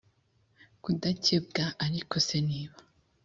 kudakebwa c ariko se niba